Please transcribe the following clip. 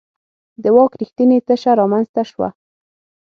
د واک رښتینې تشه رامنځته شوه.